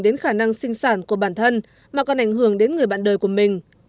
đến khả năng sinh sản của bản thân mà còn ảnh hưởng đến người bạn đời của mình